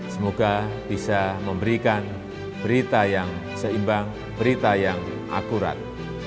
semoga bisa memberikan berita yang seimbang berita yang akurat